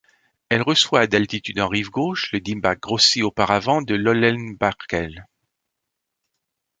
Elle reçoit à d'altitude en rive gauche le Dimbach grossi auparavant de l'Hoellenbaechel.